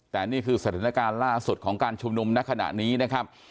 แต่นี่คือสถานการณ์ล่าสุดของการชุมนุมในขณะนี้นะครับ